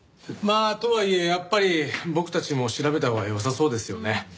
まあとはいえやっぱり僕たちも調べたほうがよさそうですよね。